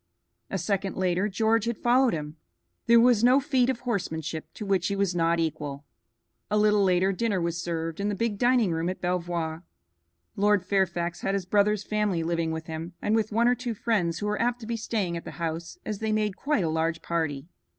A second later George had followed him. There was no feat of horsemanship to which he was not equal. A little later dinner was served in the big dining room at Belvoir. Lord Fairfax had his brother's family living with him, and with one or two friends who were apt to be staying at the house they made quite a large party.